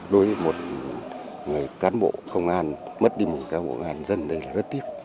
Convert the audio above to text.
với một người cán bộ công an mất đi một cán bộ công an dân đây là rất tiếc